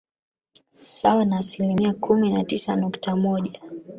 sawa na asilimia kumi na tisa nukta moja